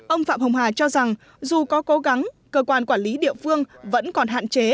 ông phạm hồng hà cho rằng dù có cố gắng cơ quan quản lý địa phương vẫn còn hạn chế